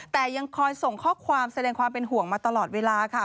แต่ยังคอยส่งข้อความแสดงความเป็นห่วงมาตลอดเวลาค่ะ